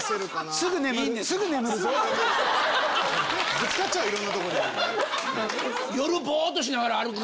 ぶつかっちゃうよいろんなとこに。